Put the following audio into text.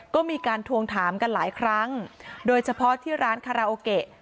ก็มีการทวงถามกันหลายครั้งโดยเฉพาะที่ร้านคาราโอเกะ